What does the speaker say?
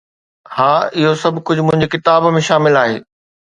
ها، اهو سڀ ڪجهه منهنجي ڪتاب ۾ شامل آهي